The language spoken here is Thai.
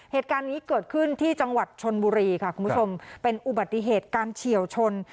เหตุการณ์นี้เกิดขึ้นที่จังหวัดชนบุรีค่ะคุณผู้ชมเป็นอุบัติเหตุการเฉียวชน